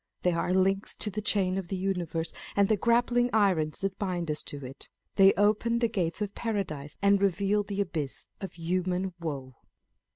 They are links in the chain of the universe, and the grappling irons that bind us to it. They open the gates of Paradise, and reveal the abyss of human woe.